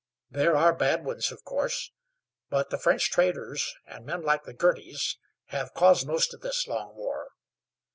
There are bad ones, of course; but the French traders, and men like the Girtys, have caused most of this long war.